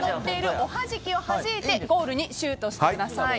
おはじきをはじいてゴールにシュートしてください。